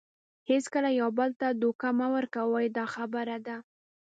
هیڅکله یو بل ته دوکه مه ورکوئ دا خبره ده.